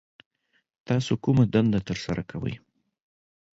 تاسو کومه دنده ترسره کوي